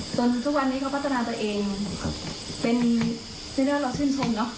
ทุกวันนี้เขาพัฒนาตัวเองเป็นที่ได้เราชื่นชมเนอะ